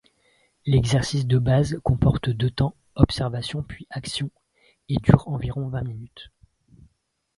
L'exercice de base comporte deux temps, observation puis action, et dure environ vingt minutes.